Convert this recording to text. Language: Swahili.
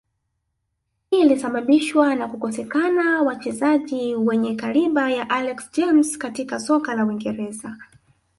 Hii ilisababishwa na kukosekana wachezai wenye kaliba ya Alex James katika soka la uingereza